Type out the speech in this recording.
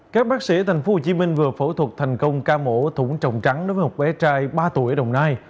các bác sĩ tp hcm vừa phẫu thuật thành công ca mổ thủng trồng cắn đối với một bé trai ba tuổi ở đồng nai